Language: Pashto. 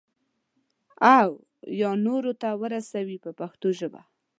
او یا نورو ته ورسوي په پښتو ژبه.